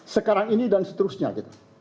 sekarang ini dan seterusnya gitu